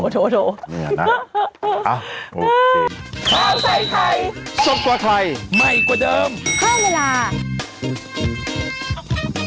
โถโถ